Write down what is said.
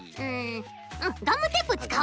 ガムテープつかおうっと。